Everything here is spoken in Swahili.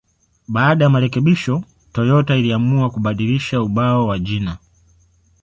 Baada ya marekebisho, Toyota iliamua kubadilisha ubao wa jina.